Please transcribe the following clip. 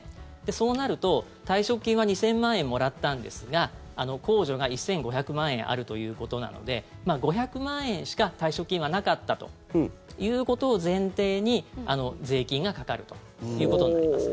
そうなると、退職金は２０００万円もらったんですが控除が１５００万円あるということなので５００万円しか退職金はなかったということを前提に税金がかかるということになります。